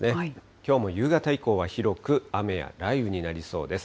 きょうも夕方以降は広く雨や雷雨になりそうです。